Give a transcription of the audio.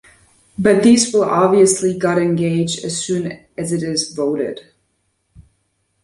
But these will obviously got engage as soon as it is voted.